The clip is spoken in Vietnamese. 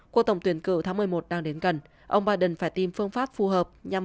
cuộc tổng tuyển cử tháng một mươi một đang đến gần ông biden phải tìm phương pháp phù hợp nhằm